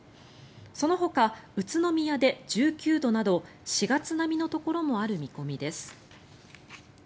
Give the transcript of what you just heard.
そのほか、宇都宮で１９度など４月並みのところもある見込みです。